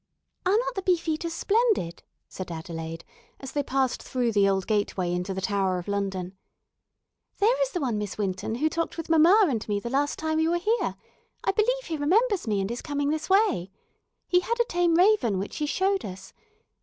"Are not the 'Beefeaters' splendid?" said Adelaide, as they passed through the old gateway into the Tower of London. "There is the one, Miss Winton, who talked with mamma and me the last time we were here. I believe he remembers me and is coming this way. He had a tame raven which he showed us.